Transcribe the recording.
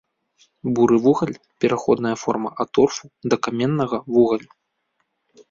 Буры вугаль, пераходная форма ад торфу да каменнага вугалю.